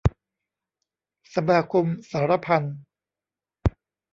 สมาคมสาระพันธ์